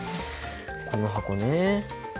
この箱ね。